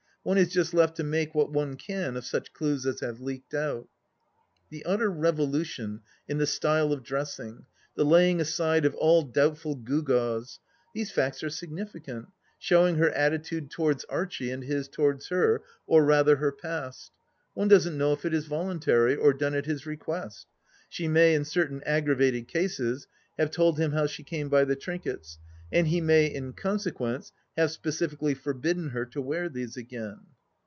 One is just left to make what one can of such clues as have leaked out. ... The utter revolution in the style of dressing, the laying aside of all doubtful gew gaws ... these facts are significant, showing her attitude towards Archie, and his towards her, or rather her past. One doesn't know if it is voluntary, or done at his request ? She may, in certain aggravated cases, have told him how she came by the trinkets, and he may, in consequence, have specifically forbidden her to wear these again